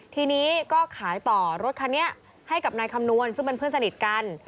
ทีนี้ก็ขายต่อรถคันนี้ให้กับนายคำนวณซึ่งเป็นเพื่อนสนิทกัน